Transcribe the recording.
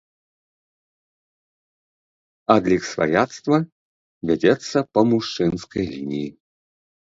Адлік сваяцтва вядзецца па мужчынскай лініі.